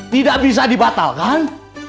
tidak bisa dibatalkan